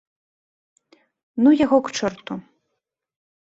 Ну яго к чорту.